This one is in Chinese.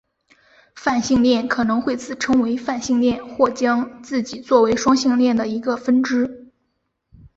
泛性恋可能会自称为泛性恋或将自己做为双性恋的一个分支。